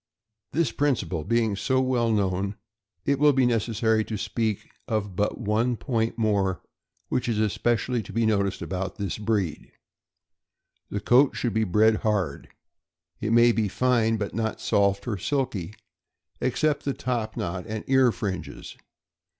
This principle being so well known, it will be nec essary to speak of but one point more which is especially to be noticed about this breed. The coat should be bred hard. It may be fine, but not soft or silky, except the top knot and ear fringes.